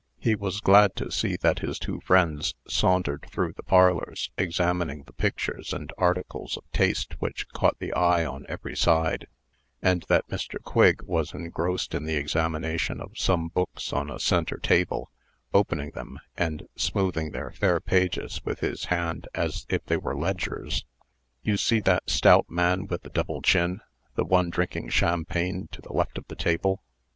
He was glad to see that his two friends sauntered through the parlors, examining the pictures and articles of taste which caught the eye on every side; and that Mr. Quigg was engrossed in the examination of some books on a centre table, opening them, and smoothing their fair pages with his hand as if they were ledgers. "You see that stout man with the double chin the one drinking champagne, to the left of the table?